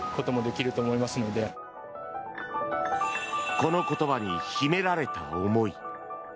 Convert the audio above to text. この言葉に秘められた思い。